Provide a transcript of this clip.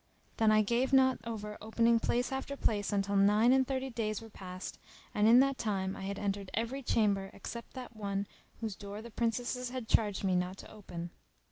Then I gave not over opening place after place until nine and thirty days were passed and in that time I had entered every chamber except that one whose door the Princesses had charged me not to open.